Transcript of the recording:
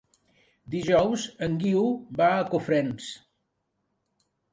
Dijous en Guiu va a Cofrents.